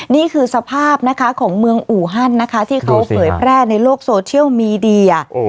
นี่คือสภาพนะคะของเมืองอูฮันนะคะที่เขาเผยแพร่ในโลกโซเชียลมีเดีย